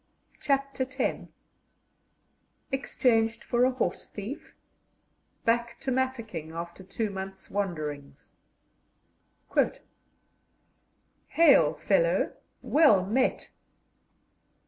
CHAPTER X EXCHANGED FOR A HORSE THIEF BACK TO MAFEKING AFTER TWO MONTHS' WANDERINGS "Hail, fellow! well met!"